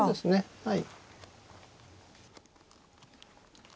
はい。